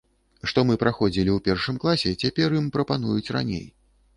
Што мы праходзілі ў першым класе, цяпер ім прапануюць раней.